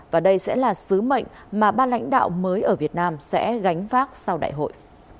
và đây sẽ là sứ mệnh mà ba lãnh đạo mới ở việt nam sẽ gánh vác sau đại hội